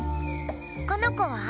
このこは？